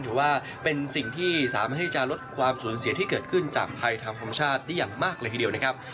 ถือว่าเป็นสิ่งที่สามารถที่จะลดความสูญเสียที่เกิดขึ้นจากภัยทางธรรมชาติได้อย่างมากเลยทีเดียวนะครับ